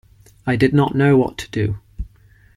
I did not know what to do.